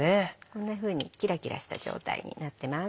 こんなふうにキラキラした状態になってます。